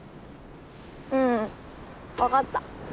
うん分かった。